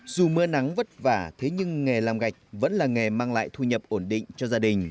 dù mưa nắng vất vả thế nhưng nghề làm gạch vẫn là nghề mang lại thu nhập ổn định cho gia đình